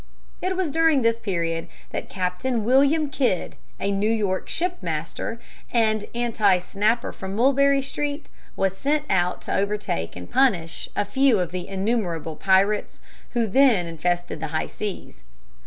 It was during this period that Captain William Kidd, a New York ship master and anti snapper from Mulberry Street, was sent out to overtake and punish a few of the innumerable pirates who then infested the high seas.